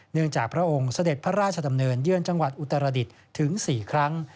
พระองค์เสด็จพระราชดำเนินเยือนจังหวัดอุตรดิษฐ์ถึง๔ครั้ง